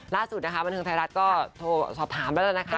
ล่าสุดบรรทึงไทยรัฐก็โทรศรอบถามแล้วแล้วนะคะ